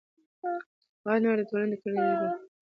هنر د ټولنې د کلتور، ژبې او فکر د پراختیا لپاره حیاتي اهمیت لري.